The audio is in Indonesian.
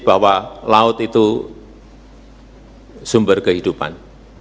bahwa laut itu sumber kehidupan